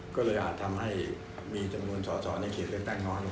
ก็เลยอาจทำให้มีจำนวนสอนในเครศเลือกตั้งน้อยลงไปหน่อย